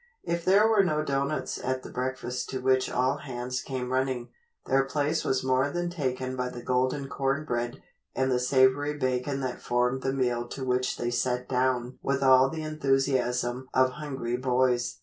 If there were no doughnuts at the breakfast to which all hands came running, their place was more than taken by the golden corn bread and the savory bacon that formed the meal to which they sat down with all the enthusiasm of hungry boys.